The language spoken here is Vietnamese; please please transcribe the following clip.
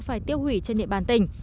phải tiêu hủy trên địa bàn tỉnh